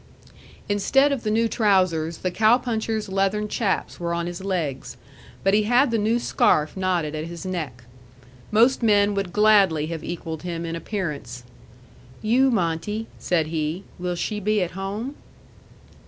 Instead of the new trousers, the cow puncher's leathern chaps were on his legs. But he had the new scarf knotted at his neck. Most men would gladly have equalled him in appearance. "You Monte," said he, "will she be at home?"